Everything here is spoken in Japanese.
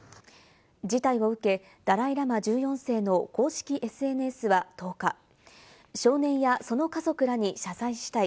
事態を受け、ダライ・ラマ１４世の公式ＳＮＳは１０日、少年や、その家族らに謝罪したい。